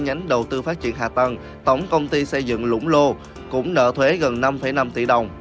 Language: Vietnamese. nhánh đầu tư phát triển hạ tầng tổng công ty xây dựng lũng lô cũng nợ thuế gần năm năm tỷ đồng